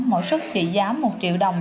mỗi suốt chỉ giá một triệu đồng